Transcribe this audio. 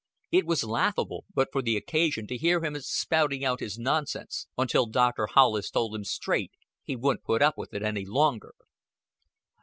"It was laughable but for the occasion to hear him spouting out his nonsense, until Doctor Hollis told him straight he wouldn't put up with it any longer."